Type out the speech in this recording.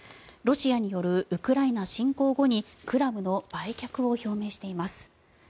ロシアによるウクライナ侵攻後にクラブの売却を表明しています。